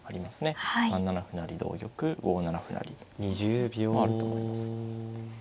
３七歩成同玉５七歩成もあると思います。